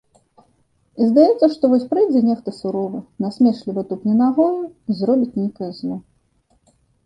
І здаецца, што вось прыйдзе нехта суровы, насмешліва тупне нагою і зробіць нейкае зло.